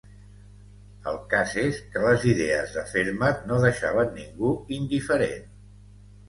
El cas és que les idees de Fermat no deixaven ningú indiferent.